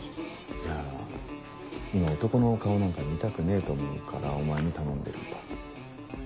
いや今男の顔なんか見たくねえと思うからお前に頼んでるんだ。